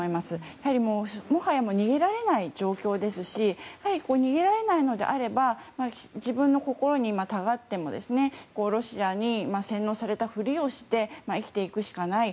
やはりもはや逃げられない状況ですし逃げられないのであれば自分の心にたがってもロシアに洗脳されたふりをして生きていくしかない。